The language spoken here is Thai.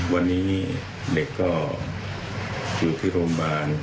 วันนี้เล็กเขาหยุดที่โรงพยาบาล